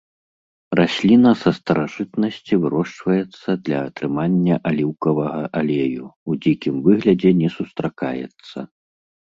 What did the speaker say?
Расліна са старажытнасці вырошчваецца для атрымання аліўкавага алею, у дзікім выглядзе не сустракаецца.